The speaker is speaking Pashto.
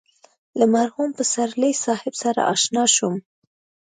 له مرحوم پسرلي صاحب سره اشنا شوم.